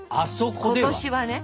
今年はね。